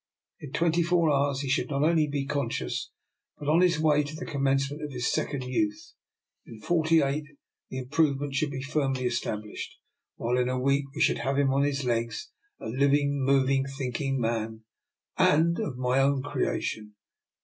In twenty four hours he should not only be conscious, but on his way to the commence ment of his second youth; in forty eight the improvement should be firmly established; while in a week we should have him on his 228 I>R NIKOLA'S EXPERIMENT. legs, a living, moving, thinking man, and of my own creation.